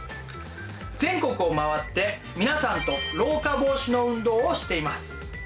全国を回って皆さんと老化防止の運動をしています。